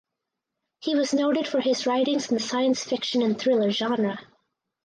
He was noted for his writings in the science fiction and thriller genre.